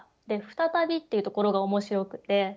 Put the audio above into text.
で「再び」っていうところが面白くて。